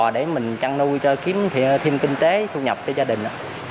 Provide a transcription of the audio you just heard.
để mình chăn nuôi cho kiếm thêm kinh tế thu nhập cho gia đình